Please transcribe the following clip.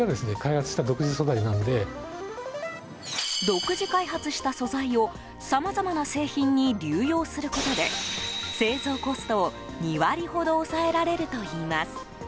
独自開発した素材をさまざまな製品に流用することで製造コストを２割ほど抑えられるといいます。